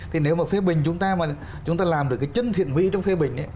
thì nếu mà phê bình chúng ta chúng ta làm được cái chân thiện mỹ trong phê bình